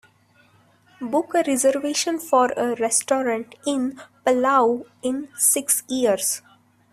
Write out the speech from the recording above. Book a reservation for a restaurant in Palau in six years